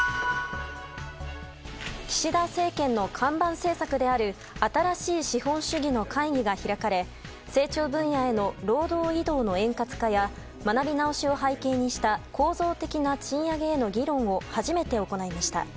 岸田政権の看板政策である新しい資本主義の会議が開かれ成長分野への労働移動の円滑化や学び直しを背景にした構造的な賃金引き上げへの議論を初めて行いました。